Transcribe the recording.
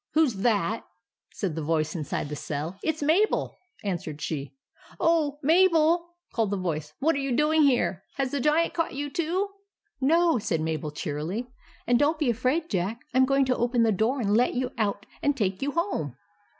" Who 's that ?" said the voice inside the cell. " It 's Mabel," answered she. m Oh ! Mabel? " called the voice. " What are you doing here? Has the Giant caught you too?" " No," said Mabel, cheerily ;" and don't be afraid, Jack. I 'm going to open the door, and let you out and take you home."